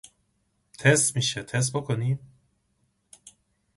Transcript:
Haselden's points were immediately disputed.